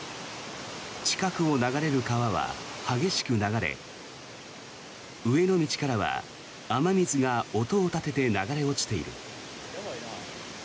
近くを流れる川は激しく流れ上の道からは雨水が音を立てて流れ落ちている。